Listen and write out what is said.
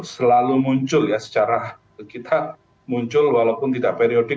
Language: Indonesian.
selalu muncul ya secara kita muncul walaupun tidak periodik